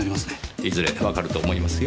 いずれわかると思いますよ。